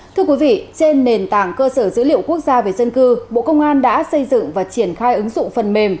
thưa quý vị trên nền tảng cơ sở dữ liệu quốc gia về dân cư bộ công an đã xây dựng và triển khai ứng dụng phần mềm